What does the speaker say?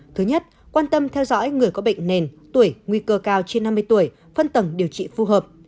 thứ nhất quan tâm theo dõi người có bệnh nền tuổi nguy cơ cao trên năm mươi tuổi phân tầng điều trị phù hợp